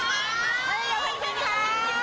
สวัสดีครับ